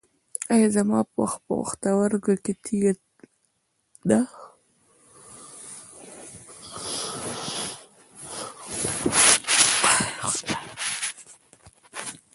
ایا زما په پښتورګي کې تیږه ده؟